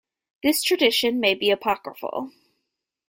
This tradition may be apocryphal.